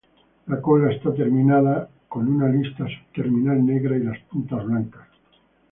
La cola está terminada en con una lista subterminal negra y las puntas blancas.